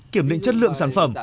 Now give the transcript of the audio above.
kiểm định chất lượng sản phẩm